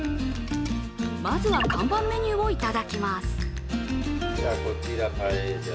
まずは看板メニューをいただきます。